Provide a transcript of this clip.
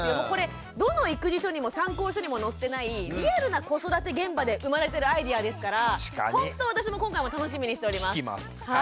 これどの育児書にも参考書にも載ってないリアルな子育て現場で生まれてるアイデアですからほんと私も今回も楽しみにしております。